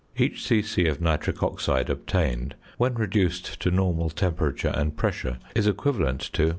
Each c.c. of nitric oxide obtained, when reduced to normal temperature and pressure, is equivalent to: 0.